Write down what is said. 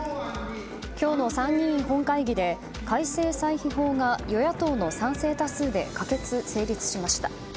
今日の参議院本会議で改正歳費法が与野党の賛成多数で可決・成立しました。